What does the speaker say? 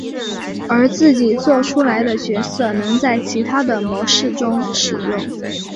而自己作出来的角色能在其他的模式中使用。